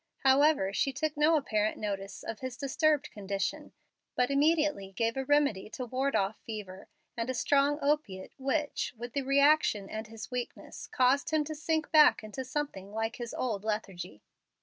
However, she took no apparent notice of his disturbed condition, but immediately gave a remedy to ward off fever, and a strong opiate, which, with the reaction and his weakness, caused him to sink back into something like his old lethargy.